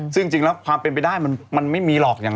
ซึ่งจริงแล้วความเป็นไปได้มันไม่มีหรอก